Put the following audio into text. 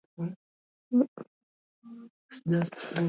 kutokana na shamba la chai na la kahawa ambalo ameniajia